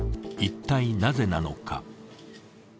一体なぜなのか。